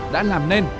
đã làm nên